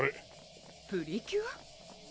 プリキュア？